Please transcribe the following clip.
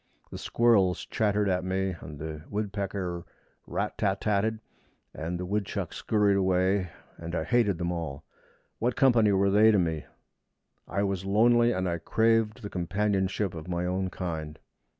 The squirrels chattered at me, and the woodpecker rat tat tat ed, and the woodchucks scurried away, and I hated them all. What company were they to me? I was lonely, and I craved the companionship of my own kind.